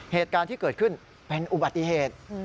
เหตุการณ์ที่เกิดขึ้นเป็นอุบัติเหตุ